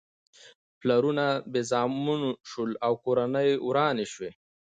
پلرونه بې زامنو شول او کورنۍ ورانې شوې.